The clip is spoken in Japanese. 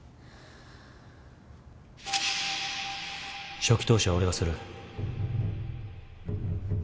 初期投資は俺がする。